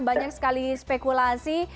banyak sekali spekulasi